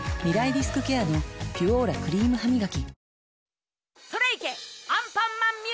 リスクケアの「ピュオーラ」クリームハミガキ